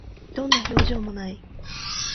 どんな表情も無い